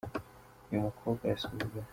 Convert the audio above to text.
uyu mukobwa arasuzugura.